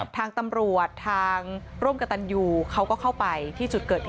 ทางตำรวจทางร่วมกับตันยูเขาก็เข้าไปที่จุดเกิดเหตุ